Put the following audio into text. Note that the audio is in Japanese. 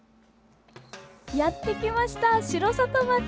やってきました、城里町！